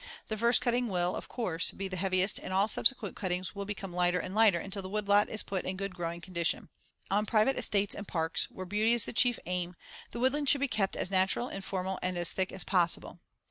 The first cutting will, of course, be the heaviest and all subsequent cuttings will become lighter and lighter until the woodlot is put in good growing condition. On private estates and parks, where beauty is the chief aim, the woodland should be kept as natural, informal and as thick as possible.